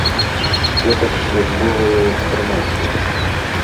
Гэта ж службовая інфармацыя.